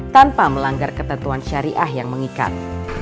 tanpa melanggar ketentuan syariah yang mengikat